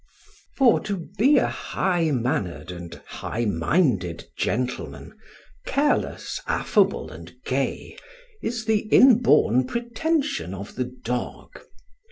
For to be a high mannered and high minded gentleman, careless, affable, and gay, is the inborn pretension of the dog.